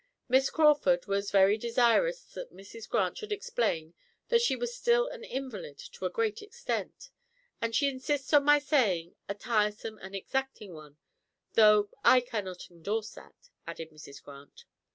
Miss Crawford was very desirous that Mrs. Grant should explain that she was still an invalid to a great extent "and she insists on my saying a tiresome and exacting one, though I cannot endorse that," added Mrs. Grant.